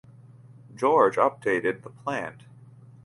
George updated the plant.